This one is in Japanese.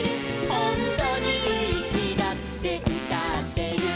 「ほんとにいい日だって歌ってる」